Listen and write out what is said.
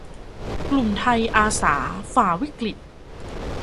กลุ่มไทยอาสา ฝ่าวิกฤต